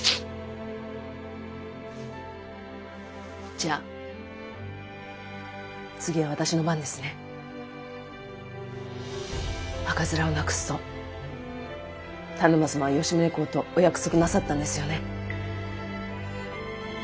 じゃ次は私の番ですね。赤面をなくすと田沼様は吉宗公とお約束なさったんですよね。